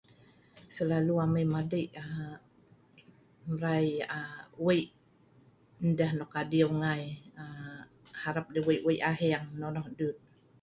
Selalu amai madei aa mrai aa wei ndeh nok adiu ngai aa harap deh wei wei aheeng. Nonoh dut.